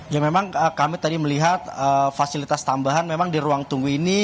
ya memang kami tadi melihat fasilitas tambahan memang di ruang tunggu ini